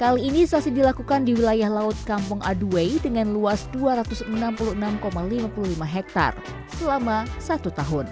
kali ini sasi dilakukan di wilayah laut kampung aduway dengan luas dua ratus enam puluh enam lima puluh lima hektare selama satu tahun